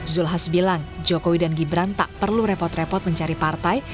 zulkifli hasan bilang jokowi dan gibran tak perlu repot repot mencari partai